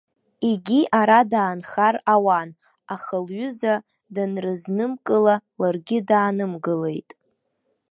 Егьи ара даанхар ауан, аха лҩыза данрызнымкыла, ларгьы даанымгылеит.